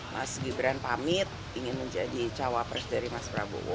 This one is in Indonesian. mas gibran pamit ingin menjadi cawapres dari mas prabowo